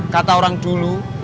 kata orang dulu